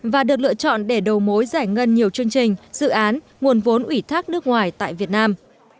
và được lựa chọn để đầu mối giải ngân nhiều chương trình dự án nguồn vốn ủy thác nước ngoài tại việt nam